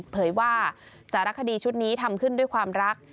เผยว่าสารคดีชุดนี้ทำขึ้นด้วยความรัก